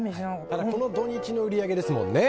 この土日の売り上げですもんね。